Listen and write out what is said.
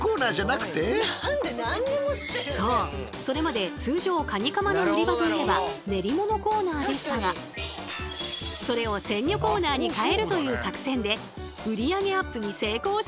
それまで通常カニカマの売り場といえば練り物コーナーでしたがそれを鮮魚コーナーに変えるという作戦で売り上げアップに成功したんです。